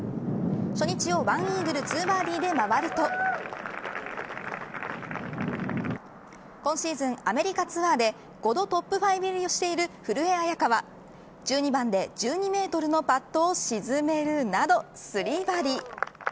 初日を１イーグル２バーディーで回ると今シーズンアメリカツアーで５度トップ５入りしている古江彩佳は、１２番で１２メートルのパットを沈めるなど３バーディー。